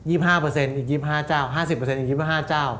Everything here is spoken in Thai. ๕๐อีก๒๕จ้าว